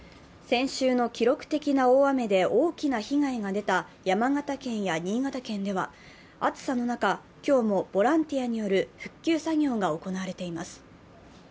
先週の記録的な大雨で大きな被害が出た山形県や新潟県では、暑さの中、今日もボランティアによる復旧作業が行われています。